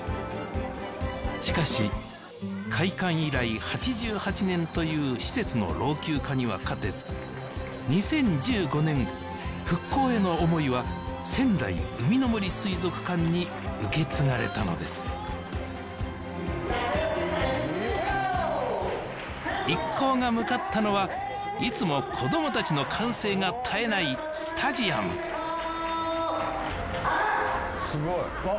しかし開館以来８８年という施設の老朽化には勝てず２０１５年復興への思いは仙台うみの杜水族館に受け継がれたのです一行が向かったのはいつも子どもたちの歓声が絶えないスタジアム・あっ！